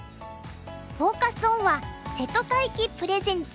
フォーカス・オンは「瀬戸大樹プレゼンツ！